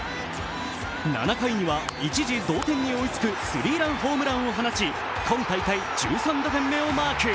７回には一時同点に追いつくスリーランホームランを放ち今大会１３打点目をマーク。